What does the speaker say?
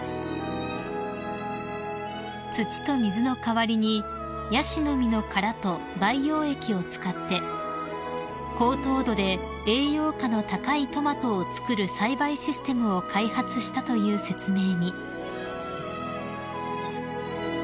［土と水の代わりにヤシの実の殻と培養液を使って高糖度で栄養価の高いトマトを作る栽培システムを開発したという説明に］